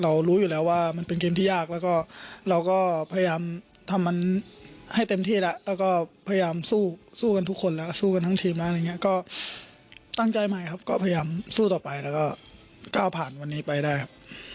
รู้อยู่แล้วว่ามันเป็นเกมที่ยากแล้วก็เราก็พยายามทำมันให้เต็มที่แล้วแล้วก็พยายามสู้สู้กันทุกคนแล้วสู้กันทั้งทีมแล้วอะไรอย่างเงี้ยก็ตั้งใจใหม่ครับก็พยายามสู้ต่อไปแล้วก็ก้าวผ่านวันนี้ไปได้ครับ